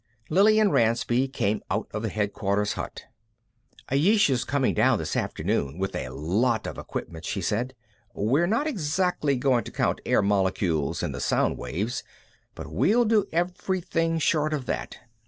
Lillian Ransby came out of the headquarters hut. "Ayesha's coming down this afternoon, with a lot of equipment," she said. "We're not exactly going to count air molecules in the sound waves, but we'll do everything short of that.